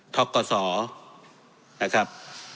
ทะกษนะครับ